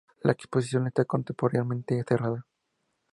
La exposición está temporariamente cerrada.